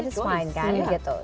it's fine kan gitu